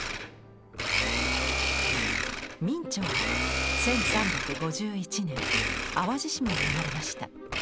明兆は１３５１年淡路島に生まれました。